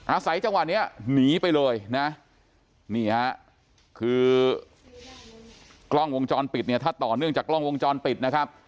อาศัยจังหวะนี้หนีไปเลยนะนี่ฮะคือกล้องวงจรปิดเนี่ยถ้าต่อเนื่องจากกล้องวงจรปิดนะครับ